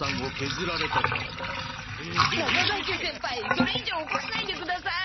それいじょうおこらないでください！